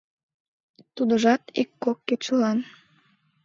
Тудыжат ик-кок кечылан.